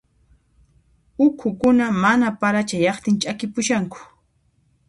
Uqhukuna mana para chayaqtin ch'akipushanku.